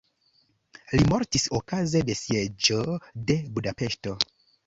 Li mortis okaze de sieĝo de Budapeŝto.